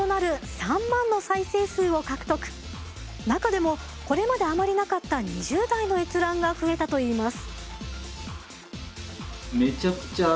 中でもこれまであまりなかった２０代の閲覧が増えたといいます。